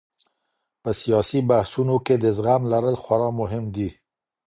په سياسي بحثونو کي د زغم لرل خورا مهم دي.